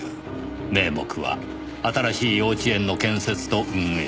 名目は新しい幼稚園の建設と運営。